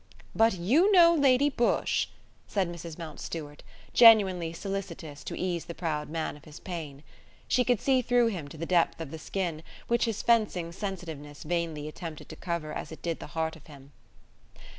"But you know Lady Busshe," said Mrs. Mountstuart, genuinely solicitous to ease the proud man of his pain. She could see through him to the depth of the skin, which his fencing sensitiveness vainly attempted to cover as it did the heart of him.